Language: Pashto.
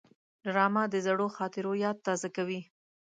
ډرامه د زړو خاطرو یاد تازه کوي